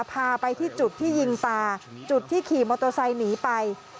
พาไปที่จุดที่ยิงตาจุดที่ขี่มอเตอร์ไซค์หนีไป